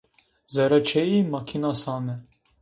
Zere çêyi makina sane.